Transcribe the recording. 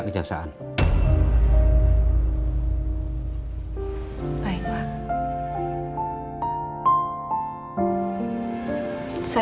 nggak ada kiwa